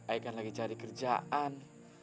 aikan lagi cari kerjaan